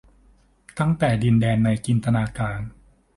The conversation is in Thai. ตั้งแต่ดินแดนในจินตนาการ